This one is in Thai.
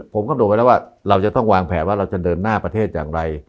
ผมกำหนดไว้แล้วว่าเราจะต้องวางแผนว่าเราจะเดินหน้าประเทศอย่างไร